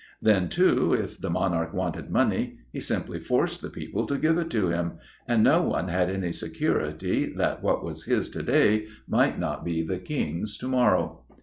Then, too, if the Monarch wanted money, he simply forced the people to give it to him, and no one had any security that what was his to day might not be the King's to morrow.